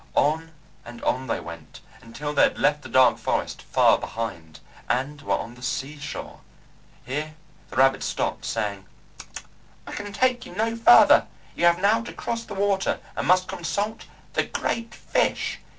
On and on they went until they had left the dark forest far behind, and were on the sea shore. Here the rabbit stopped, saying, "I can take you no farther; you have now to cross the water, and must consult the Great Fish.